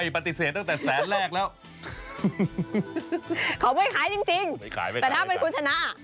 เขาไม่ขายจริงแต่มันจะคุดชนะ